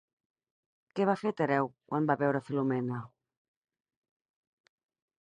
Què va fer Tereu quan va veure Filomela?